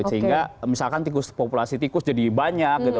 sehingga misalkan populasi tikus jadi banyak gitu